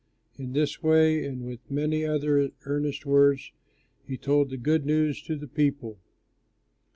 In this way, and with many other earnest words, he told the good news to the people.